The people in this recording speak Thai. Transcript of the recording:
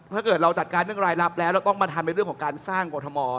ถ้าเกิดเราจัดการเรื่องรายรับแล้วเราต้องมาทำในเรื่องของการสร้างกรทม